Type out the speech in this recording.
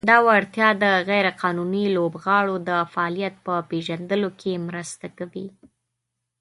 دا وړتیا د "غیر قانوني لوبغاړو د فعالیت" په پېژندلو کې مرسته کوي.